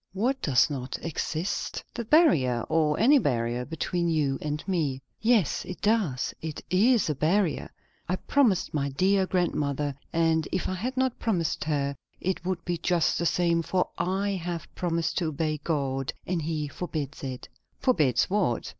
"What does not exist?" "That barrier or any barrier between you and me." "Yes, it does. It is a barrier. I promised my dear grandmother and if I had not promised her, it would be just the same, for I have promised to obey God; and he forbids it." "Forbids what?"